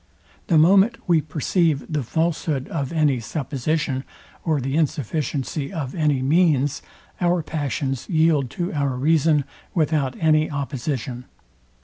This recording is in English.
The moment we perceive the falshood of any supposition, or the insufficiency of any means our passions yield to our reason without any opposition.